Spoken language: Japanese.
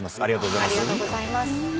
ありがとうございます。